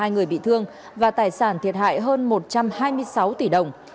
bảy mươi hai người bị thương và tài sản thiệt hại hơn một trăm hai mươi sáu tỷ đồng